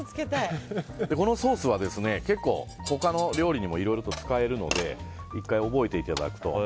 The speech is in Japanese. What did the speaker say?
このソースは他の料理にもいろいろと使えるので１回、覚えていただくと。